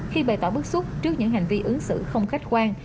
khi bày tỏ bức xúc trước những hành vi ứng xử không khách quan